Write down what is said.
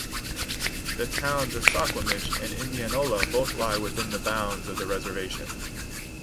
The towns of Suquamish and Indianola both lie within the bounds of the reservation.